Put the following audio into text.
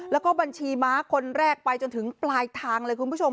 แล้วก็บัญชีม้าคนแรกไปจนถึงปลายทางเลยคุณผู้ชม